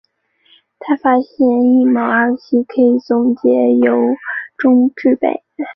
他发现异戊二烯可以从松节油中制备。